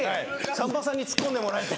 さんまさんにツッコんでもらえて。